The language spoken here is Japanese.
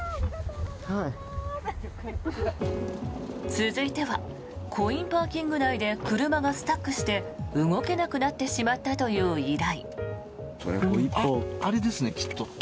続いてはコインパーキング内で車がスタックして動けなくなってしまったという依頼。